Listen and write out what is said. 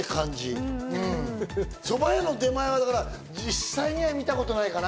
そば屋の出前は、だから実際には見たことないかな？